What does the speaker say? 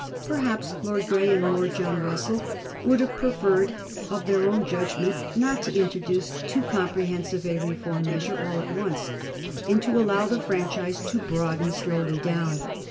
Perhaps Lord Grey and Lord John Russell would have preferred of their own judgment not to introduce too comprehensive a reform measure all at once, and to allow the franchise to broaden slowly down.